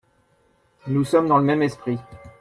Nous sommes dans le même esprit.